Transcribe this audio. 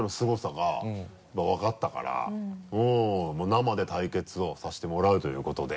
生で対決をさせてもらうということで。